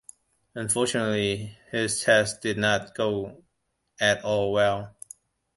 Unfortunately, his tests did not go at all well.